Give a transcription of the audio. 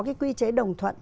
cái quy chế đồng thuận